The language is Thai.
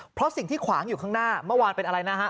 เพราะสิ่งที่ขวางอยู่ข้างหน้าเมื่อวานเป็นอะไรนะฮะ